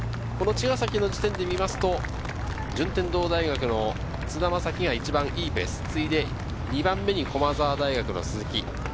茅ヶ崎の地点でみますと、順天堂大学の津田将希が一番いいペース、次いで駒澤大学の鈴木。